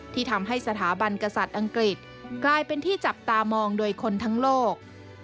ที่ทำให้สถาบันกษัตริย์อังกฤษกลายเป็นที่จับตามองโดยคนทั้งโลก